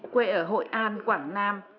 quê ở hội an quảng nam